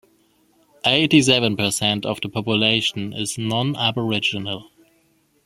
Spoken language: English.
Eighty-seven per cent of the population is non-aboriginal.